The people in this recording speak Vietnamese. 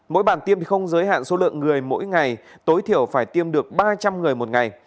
mỗi bản tiêm không giới hạn số lượng người mỗi ngày tối thiểu phải tiêm được ba trăm linh người một ngày